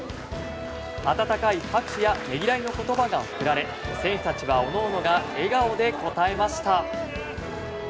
温かい拍手やねぎらいの言葉が送られ選手たちはおのおのが笑顔で応えました。